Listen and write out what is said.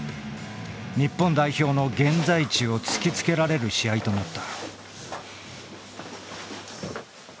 日本代表の現在地を突きつけられる試合となった。